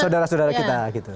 saudara saudara kita gitu